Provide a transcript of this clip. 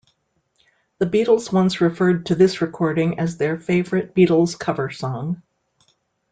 The Beatles once referred to this recording as their favorite Beatles cover song.